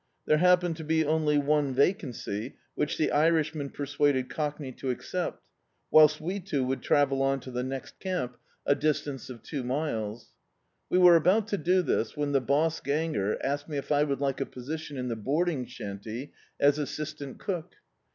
There happened to be only one vacancy, which the Irishman persuaded Cockney to accept, whilst we two would travel on to the next camp, a distance of D,i.,.db, Google The Canal two miles. We were about to do this when the boss ganger asked me if I would like a position in the boarding shanty as assistant cook.